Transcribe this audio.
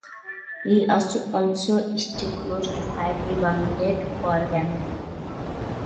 He also stayed close to five rebounds per game.